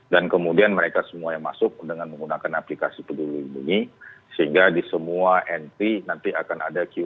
dan kemudian mereka semua yang masuk dengan menggunakan aplikasi peduli bumi sehingga di semua ntb nanti akan ada qns code